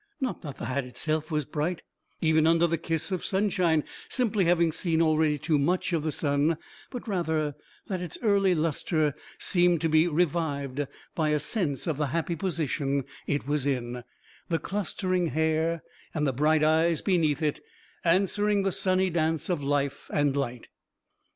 Not that the hat itself was bright, even under the kiss of sunshine, simply having seen already too much of the sun, but rather that its early lustre seemed to be revived by a sense of the happy position it was in; the clustering hair and the bright eyes beneath it answering the sunny dance of life and light.